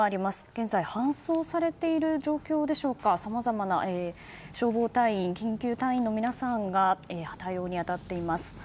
現在搬送されている状況でしょうかさまざまな消防隊員、救急隊員の皆さんが対応に当たっています。